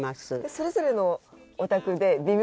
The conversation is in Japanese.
それぞれのお宅で微妙に味が。